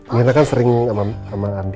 mirna kan sering sama andi